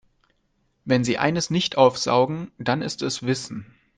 Wenn sie eines nicht aufsaugen, dann ist es Wissen.